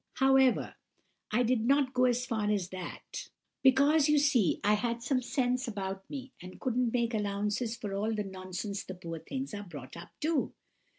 "However, I did not go as far as that, because, you see, I had some sense about me, and could make allowances for all the nonsense the poor things are brought up to."